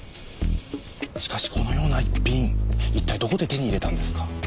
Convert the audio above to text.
しかしこのような逸品一体どこで手に入れたんですか？